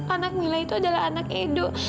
anak mile itu adalah anak edo